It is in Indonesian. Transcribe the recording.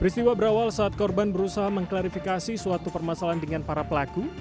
peristiwa berawal saat korban berusaha mengklarifikasi suatu permasalahan dengan para pelaku